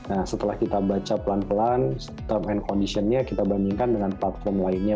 nah setelah kita baca pelan pelan term and conditionnya kita bandingkan dengan platform lainnya